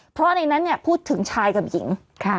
เพราะในนั้นพูดถึงชายกับหญิง